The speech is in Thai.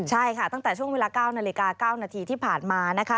ใช่ค่ะตั้งแต่ช่วงเวลา๙นาฬิกา๙นาทีที่ผ่านมานะคะ